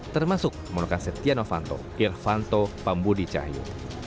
termasuk menggunakan seteh novanto irvanto pamburi cahyo